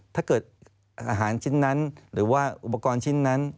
ถ้าเกิดอาหารชิ้นนั้นหรือว่าอุปกรณ์ชิ้นนั้น